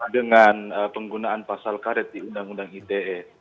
dengan penggunaan pasal karet di undang undang ite